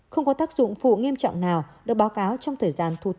không có tác dụng phụ nghiêm trọng nào được báo cáo trong thời gian thu thập dữ liệu